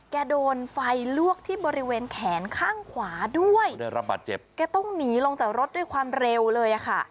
แกโดนไฟลวกที่บริเวณแขนข้างขวาด้วยได้รับบาดเจ็บแกต้องหนีลงจากรถด้วยความเร็วเลยอ่ะค่ะ